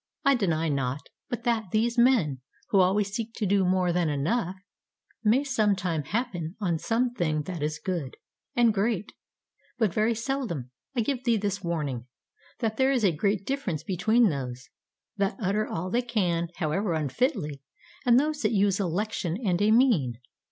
I deny not, but that these men, who always seek to do more than enough, may some time happen on some thing that is good, and great; but very seldom ... I give thee this warning, that there is a great difference between those, that utter all they can, however unfitly; and those that use election and a mean.